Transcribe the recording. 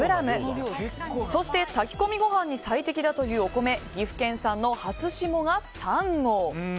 そして、炊き込みご飯に最適だというお米岐阜県産のハツシモが３合。